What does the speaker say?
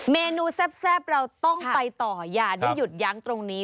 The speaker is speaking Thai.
เมนูแซ่บเราต้องไปต่ออย่าได้หยุดยั้งตรงนี้